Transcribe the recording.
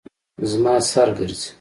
زما سر ګرځي